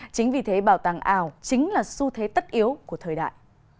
chính vì thế bảo tàng ảo chính là xu thế tất yếu của thời đại